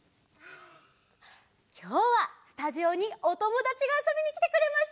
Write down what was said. きょうはスタジオにおともだちがあそびにきてくれました！